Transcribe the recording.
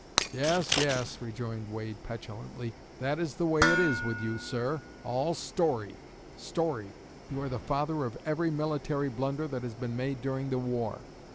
"Yes, yes," rejoined Wade petulantly, "that is the way it is with you, sir, all story story! You are the father of every military blunder that has been made during the war.